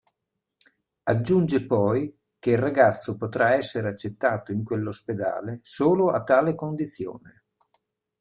Aggiunge poi che il ragazzo potrà esser accettato in quell'ospedale solo a tale condizione.